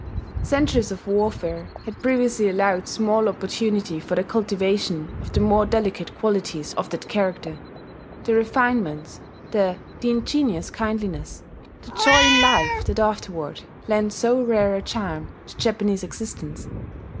Centuries of warfare had previously allowed small opportunity for the cultivation of the more delicate qualities of that character: the refinements, the ingenuous kindliness, the joy in life that afterward lent so rare a charm to Japanese existence.